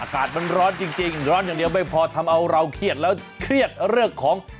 อากาศมันร้อนจริงร้อนอย่างเดียวไม่พอทำเอาเราเครียดแล้วเครียดเรื่องของ